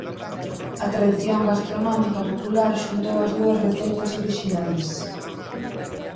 A tradición gastronómica popular xuntou as dúas receitas orixinais